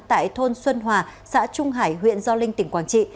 tại thôn xuân hòa xã trung hải huyện do linh tỉnh quảng trị